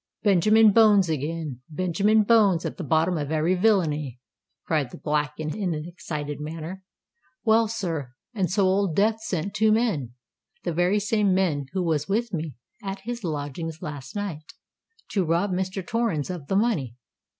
"Benjamin Bones again—Benjamin Bones at the bottom of every villainy!" cried the Black, in an excited manner. "Well, sir—and so Old Death sent two men—the very same men who was with me at his lodgings last night—to rob Mr. Torrens of the money.